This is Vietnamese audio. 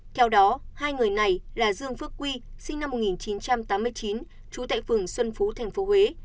theo đó hai người này là dương phước quy sinh năm một nghìn chín trăm tám mươi chín trú tại phường xuân phú tp huế